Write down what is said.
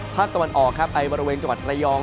ภาพตะวันออกไปบริเวณจัวร์ไตรยอง